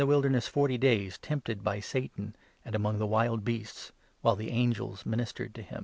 Wilderness forty days, tempted by Satan, and among the wild beasts, while the angels ministered to him.